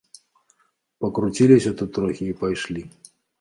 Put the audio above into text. Пакруціліся тут трохі і пайшлі.